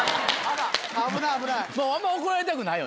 あんま怒られたくないよね。